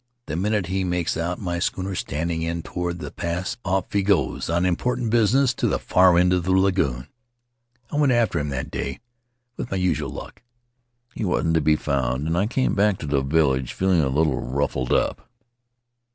The minute he makes out my schooner standing in toward the pass off he goes on important business to the far end of the lagoon. I went after him that day, with my usual luck. He wasn't to be found, and I came back to the village feel ing a bit ruffled up.